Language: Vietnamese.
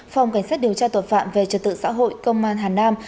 phòng cảnh sát điều tra tội phạm về trật tự xã hội công an hà nam